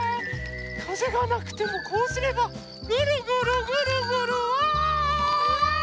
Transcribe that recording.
かぜがなくてもこうすればぐるぐるぐるぐるわい！